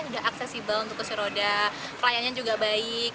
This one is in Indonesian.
sudah aksesibel untuk keseroda pelayanannya juga baik